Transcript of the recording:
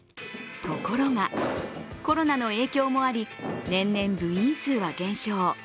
ところが、コロナの影響もあり、年々部員数は減少。